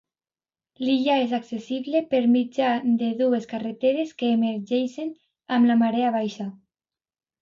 L'illa és accessible per mitjà de dues carreteres que emergeixen amb la marea baixa.